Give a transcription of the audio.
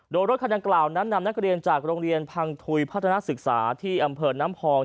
โดยรถคันดังกล่าวนั้นนำนักเรียนจากโรงเรียนพังทุยพัฒนาศึกษาที่อำเภอน้ำพอง